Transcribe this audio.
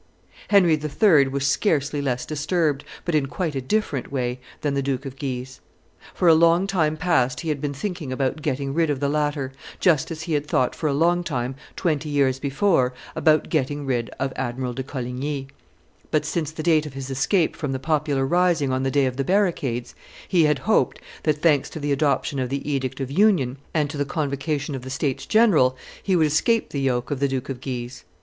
Henry III. was scarcely less disturbed, but in quite a different way, than the Duke of Guise. For a long time past he had been thinking about getting rid of the latter, just as he had thought for a long time, twenty years before, about getting rid of Admiral de Coligny; but since the date of his escape from the popular rising on the day of the Barricades, he had hoped that, thanks to the adoption of the edict of union and to the convocation of the states general, he would escape the yoke of the Duke of Guise.